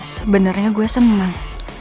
sebenernya gue seneng